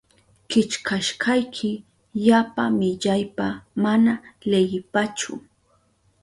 Killkashkayki yapa millaypa mana leyipachu.